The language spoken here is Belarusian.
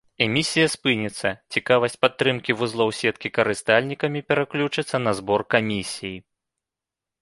Эмісія спыніцца, цікавасць падтрымкі вузлоў сеткі карыстальнікамі пераключыцца на збор камісій.